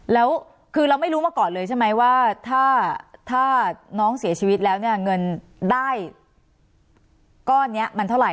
แล้วคือเราไม่รู้มาก่อนเลยใช่ไหมว่าถ้าน้องเสียชีวิตแล้วเนี่ยเงินได้ก้อนนี้มันเท่าไห